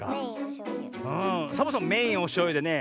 んサボさんメインはおしょうゆでね